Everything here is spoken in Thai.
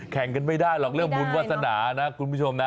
แข่งกันไม่ได้หรอกเรื่องบุญวาสนานะคุณผู้ชมนะ